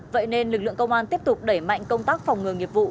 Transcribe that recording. vậy nên lực lượng công an tiếp tục đẩy mạnh công tác phòng ngừa nghiệp vụ